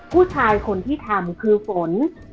ผู้ชายคนที่ทำคือฝน